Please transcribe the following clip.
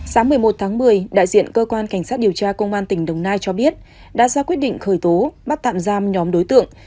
sáng một mươi một tháng một mươi đại diện cơ quan cảnh sát điều tra công an tỉnh đồng nai cho biết đã ra quyết định khởi tố bắt tạm giam nhóm đối tượng